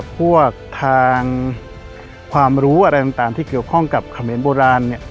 พวกทางความรู้อะไรต่างที่เกี่ยวข้องกับเขมรโบราณ